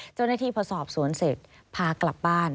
เจ้าหน้าที่พอสอบสวนเสร็จพากลับบ้าน